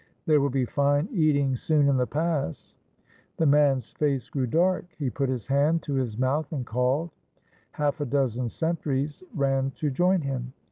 There will be fine eating soon in the pass." The man's face grew dark. He put his hand to his mouth and called. Half a dozen sentries ran to join him.